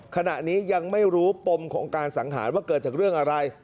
ขณะนี้ยังไม่รู้ปมของการสังหารว่าเกิดจากเรื่องอะไร